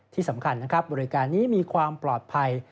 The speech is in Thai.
ที่สำคัญนะครับบริการนี้มีความปลอดภัย